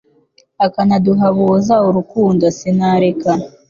akanaduhabuza urukundo sinareka